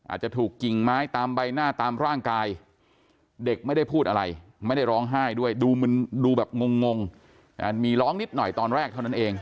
อาจจะถูกกิ่งไม้ตามใบหน้าตามร่างกายเด็กไม่ได้พูดอะไรไม่ได้ร้องไห้ด้วยดูแบบงงมีร้องนิดหน่อยตอนแรกเท่านั้นเอง